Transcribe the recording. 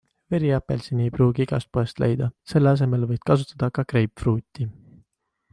Veriapelsini ei pruugi igast poest leida, selle asemel võid kasutada ka greipfruuti.